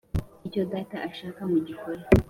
Icyo Data ashaka mugikore.